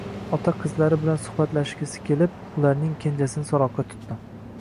Ota qizlari bilan suhbatlashgisi kelib, ularning kenjasini so`roqqa tutdi